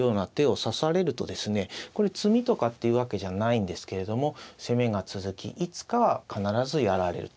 これ詰みとかっていうわけじゃないんですけれども攻めが続きいつかは必ずやられる。